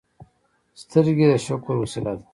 سترګې د شکر وسیله ده